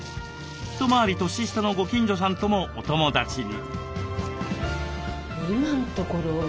一回り年下のご近所さんともお友だちに。